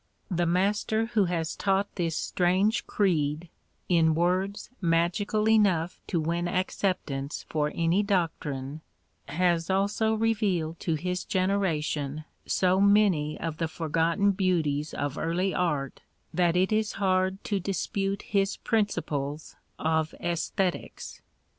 The master who has taught this strange creed, in words magical enough to win acceptance for any doctrine, has also revealed to his generation so many of the forgotten beauties of early art that it is hard to dispute his principles of æsthetics.